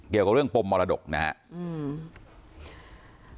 เกี่ยวกับเรื่องปมมรดกนะครับ